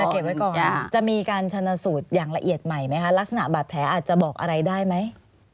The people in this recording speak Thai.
เก็บไว้ก่อนจะมีการชนะสูตรอย่างละเอียดใหม่ไหมคะลักษณะบาดแผลอาจจะบอกอะไรได้ไหม